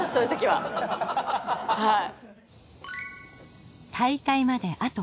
はい。